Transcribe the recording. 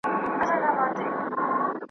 قدرت به نه وای د تُف دانیو `